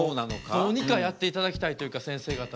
どうにかやっていただきたいというかせんせい方に。